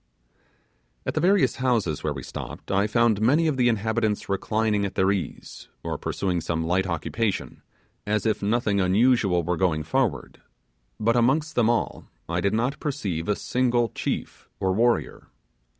At the various houses where we stopped, I found many of the inhabitants reclining at their ease, or pursuing some light occupation, as if nothing unusual were going forward; but amongst them all I did not perceive a single chief or warrior.